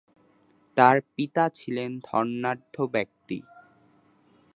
তার পিতা ছিলেন ধনাঢ্য ব্যক্তি।